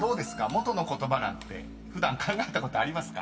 元の言葉なんて普段考えたことありますか？］